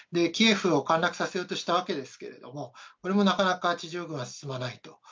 キエフを陥落させようとしたわけですけれども、これもなかなか地上軍が進まないと。